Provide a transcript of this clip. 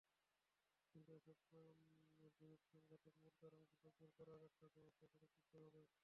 কিন্তু এসব বিরোধ-সংঘাতের মূল কারণগুলো দূর করার একটা ব্যবস্থা গড়ে তুলতে হবে।